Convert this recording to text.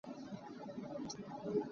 Inn ping ah ka lut sual.